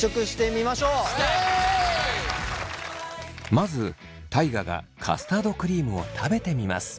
まず大我がカスタードクリームを食べてみます。